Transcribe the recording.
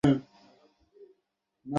চলো, সবাই বাইকে করে চলে যাই?